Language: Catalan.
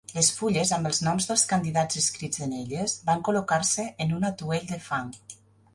Les fulles, amb els noms dels candidats escrits en elles, van col·locar-se en un atuell de fang.